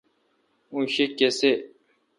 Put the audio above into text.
اں شی کسے°